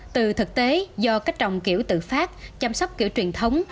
từ thực tế do cách trồng kiểu tự phát chăm sóc kiểu truyền thống